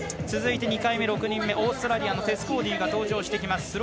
続いて２回目、６人目オーストラリアのテス・コーディ登場してきます。